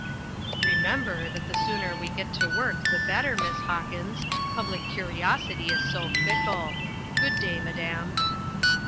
"Remember, that the sooner we get to work the better, Miss Hawkins, public curiosity is so fickle. Good day, madam."